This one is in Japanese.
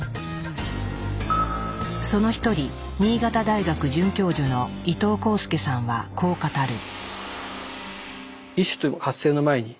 その一人新潟大学准教授の伊藤浩介さんはこう語る。